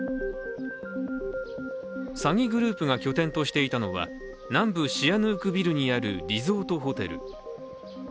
詐欺グループが拠点としていたのは南部シアヌークビルにあるリゾートホテル。